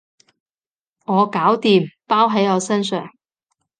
我搞掂，包喺我身上